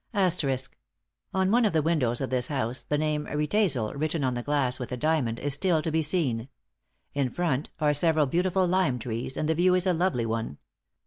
On one of the windows of this house the name "Riedesel," written on the glass with a diamond, is still to be seen. In front; are several beautiful lime trees, and the view is a lovely one.